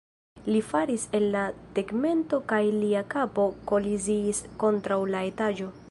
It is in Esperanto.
Li falis el la tegmento kaj lia kapo koliziis kontraŭ la etaĝo.